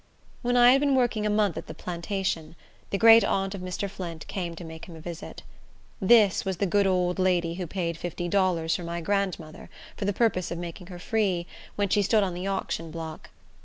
When I had been working a month at the plantation, the great aunt of Mr. Flint came to make him a visit. This was the good old lady who paid fifty dollars for my grandmother, for the purpose of making her free, when she stood on the auction block.